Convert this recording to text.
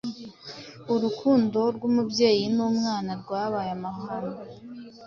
Urukundo rw’umubyeyi n’umwana rwabyaye amahano